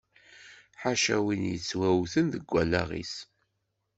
Ḥaca win yettwawten deg allaɣ-is.